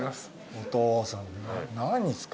「お父さん何？」